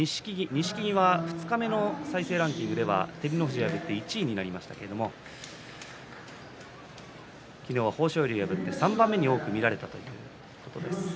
錦木は二日目の再生ランキングでは照ノ富士を破って１位になりましたけれども昨日は豊昇龍を破って３番目に多く見られたということです。